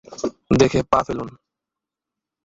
দেখে পা ফেলুন।